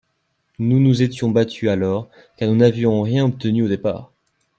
Nous nous étions battus alors, car nous n’avions rien obtenu au départ.